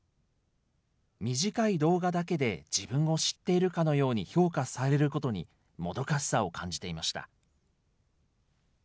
短い動画だけで自分を知っているかのように評価されることに、もどかしさを感じていました。